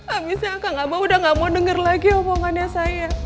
amisnya kang abah udah gak mau denger lagi omongannya saya